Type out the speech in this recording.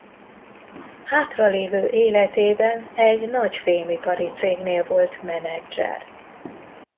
Hátralévő életében egy nagy fémipari cégnél volt menedzser.